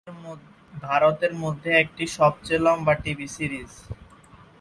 ভারতের মধ্যে এটি সবচেয়ে লম্বা টিভি সিরিজ।